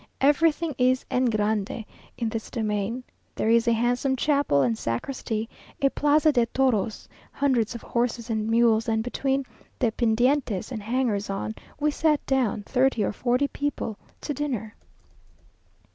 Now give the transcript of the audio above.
Everything is en grande in this domain. There is a handsome chapel and sacristy; a plaza de toros; hundreds of horses and mules; and between dependientes and hangers on, we sat down, thirty or forty people, to dinner.